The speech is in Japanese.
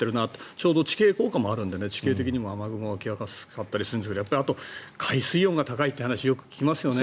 ちょうど地形効果もあるので地形的にも雨雲が湧きやすかったりするんでしょうしやっぱり海水温が高いという話よく聞きますよね。